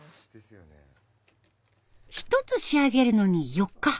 一つ仕上げるのに４日。